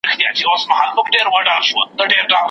له ملوک سره وتلي د بدریو جنازې دي